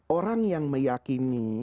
orang yang meyakini